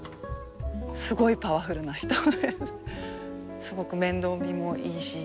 すごいパワフルな人ですごく面倒見もいいし。